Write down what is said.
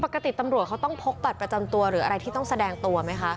ปกติตำรวจเขาต้องพกบัตรประจำตัวหรืออะไรที่ต้องแสดงตัวไหมคะ